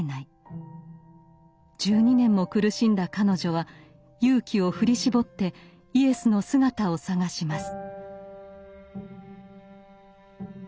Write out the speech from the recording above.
１２年も苦しんだ彼女は勇気を振り絞ってイエスの姿を探します。